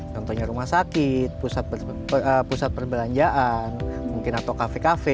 contohnya rumah sakit pusat perbelanjaan mungkin atau kafe kafe